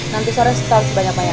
nanti sore sekitar sebanyak banyak